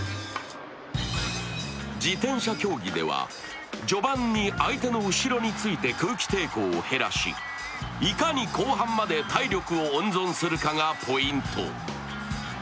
自転車競技では序盤に相手の後ろについて空気抵抗を減らしいかに後半まで体力を温存するかがポイント。